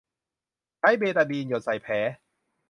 ใช้เบตาดีนหยดใส่แผล